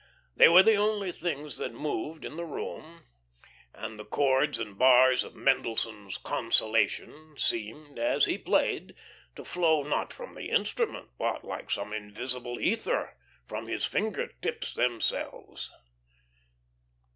They were the only things that moved in the room, and the chords and bars of Mendelssohn's "Consolation" seemed, as he played, to flow, not from the instrument, but, like some invisible ether, from his finger tips themselves.